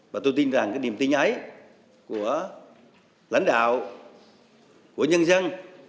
và tôi tin rằng cái niềm tin ái của lãnh đạo của nhân dân